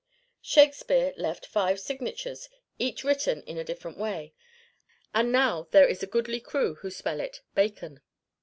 Shakespeare left five signatures, each written in a different way, and now there is a goodly crew who spell it "Bacon."